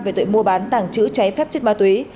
về tội mua bán tảng chữ trái phép chất ma tuế